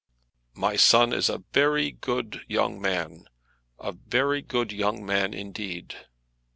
"My son is a very good young man, a very good young man indeed."